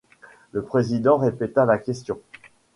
Le président répéta la question.